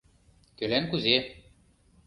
— Кӧлан кузе...